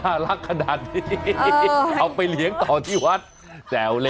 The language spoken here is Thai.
น่ารักขนาดนี้เอาไปเหลียงต่อที่หัว